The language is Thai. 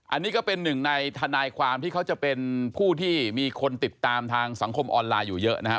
อันนี้ก็เป็นหนึ่งในทนายความที่เขาจะเป็นผู้ที่มีคนติดตามทางสังคมออนไลน์อยู่เยอะนะครับ